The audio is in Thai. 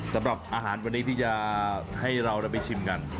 สำหรับอาหารวันนี้ที่จะให้เราได้ไปชิมกัน